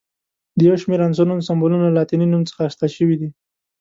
د یو شمېر عنصرونو سمبولونه له لاتیني نوم څخه اخیستل شوي دي.